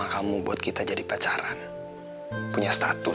kamu udah janji